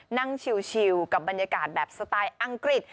นั่งชิวกับบรรยากาศแบบสไตล์อังกฤษ